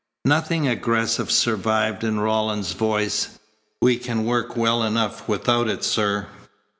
Nothing aggressive survived in Rawlins's voice. "We can work well enough without it, sir."